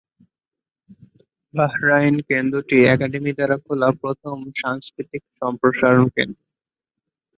Bahrain কেন্দ্রটি academy দ্বারা খোলা প্রথম সাংস্কৃতিক সম্প্রসারণ কেন্দ্র।